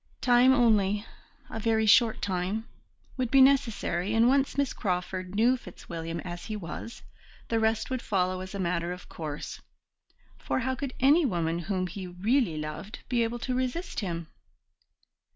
Time only a very short time would be necessary, and once Miss Crawford knew Fitzwilliam as he was, the rest would follow as a matter of course: for how could any woman whom he really loved be able to resist him?